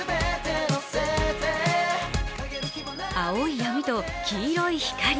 青い闇と黄色い光。